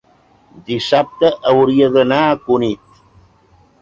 dissabte hauria d'anar a Cunit.